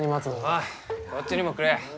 おいこっちにもくれ。